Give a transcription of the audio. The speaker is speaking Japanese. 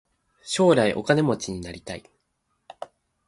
将来お金持ちになりたい。